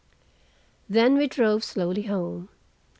Then we drove slowly home.